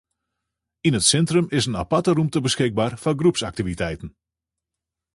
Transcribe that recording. Yn it sintrum is in aparte rûmte beskikber foar groepsaktiviteiten.